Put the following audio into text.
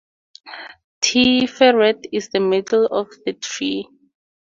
Tiferet is the middle of the tree.